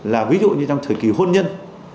là ví dụ như trong thời kỳ hôn nhân